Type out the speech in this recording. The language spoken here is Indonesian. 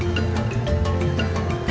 ada se injusta masalah